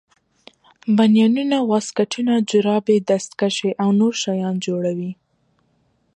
بنینونه واسکټونه جورابې دستکشې او نور شیان جوړوي.